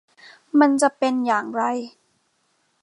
มันจะเป็นอย่างไร